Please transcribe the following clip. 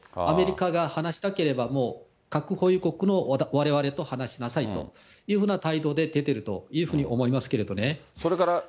アメリカが話したければ、もう核保有国のわれわれと話しなさいというふうな態度で出てるというふうに思いますけれどもね。